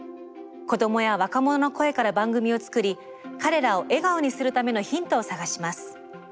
子どもや若者の声から番組を作り彼らを笑顔にするためのヒントを探します。